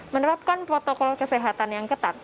menerapkan protokol kesehatan yang ketat